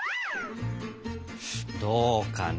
どうかな。